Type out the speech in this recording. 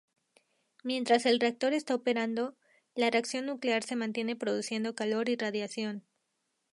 Mientras el reactor está operando, la reacción nuclear se mantiene produciendo calor y radiación.